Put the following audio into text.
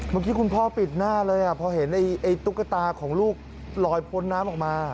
เมื่อกี้คุณพ่อปิดหน้าเลยพอเห็นไอ้ตุ๊กตาของลูกลอยพ้นน้ำออกมา